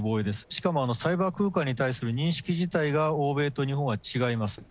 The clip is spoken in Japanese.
しかもサイバー空間に対する認識自体が欧米と日本は違います。